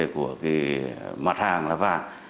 của mặt hàng là vàng